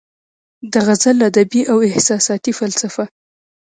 د غزل ادبي او احساساتي فلسفه